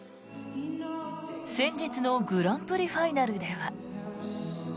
先日のグランプリファイナルでは。